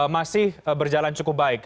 masih berjalan cukup baik